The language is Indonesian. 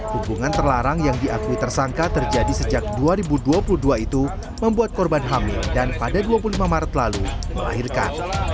hubungan terlarang yang diakui tersangka terjadi sejak dua ribu dua puluh dua itu membuat korban hamil dan pada dua puluh lima maret lalu melahirkan